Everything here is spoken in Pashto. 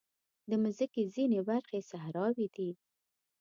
د مځکې ځینې برخې صحراوې دي.